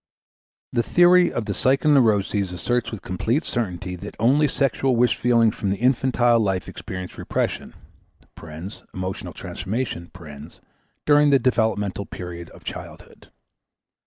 The theory of the psychoneuroses asserts with complete certainty that only sexual wish feelings from the infantile life experience repression (emotional transformation) during the developmental period of childhood.